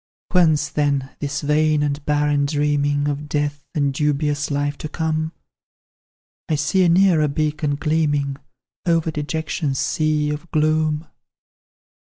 "Whence, then, this vain and barren dreaming Of death, and dubious life to come? I see a nearer beacon gleaming Over dejection's sea of gloom.